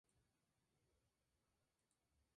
Tocaba la guitarra desde los cuatro años.